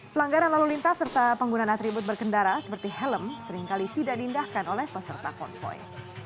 pelanggaran lalu lintas serta penggunaan atribut berkendara seperti helm seringkali tidak diindahkan oleh peserta konvoy